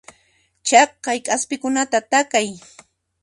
Chaqay k'aspikunata takay.